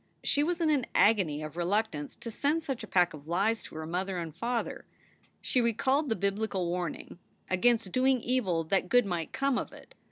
She was in an agony of reluctance to send such a pack of lies to her mother and father. She recalled the Biblical warning against doing evil that good might come of it.